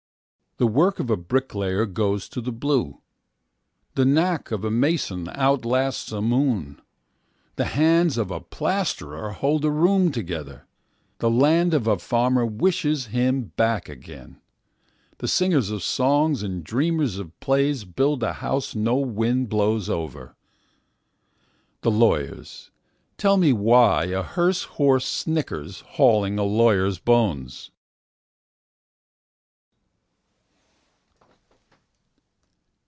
The work of a bricklayer goes to the blue. The knack of a mason outlasts a moon. The hands of a plasterer hold a room together. The land of a farmer wishes him back again. Singers of songs and dreamers of playsBuild a house no wind blows over. The lawyers—tell me why a hearse horse snickers hauling a lawyer's bones.